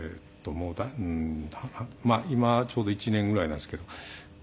もうまあ今ちょうど１年ぐらいなんですけど。